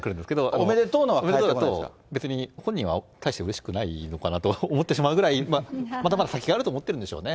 おめでとうだと、大してうれしくないのかなと思ってしまうぐらい、まだまだ先があると思ってるんでしょうね。